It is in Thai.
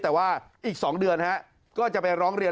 แต่ว่าอีก๒เดือนก็จะไปร้องเรียน